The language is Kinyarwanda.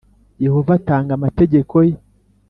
yehova atanga amategeko ye